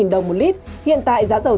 hai mươi một đồng một lít hiện tại giá dầu